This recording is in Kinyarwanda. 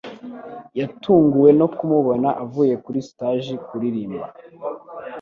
yatunguwe no kumubona avuye kuri sitaji kuririmba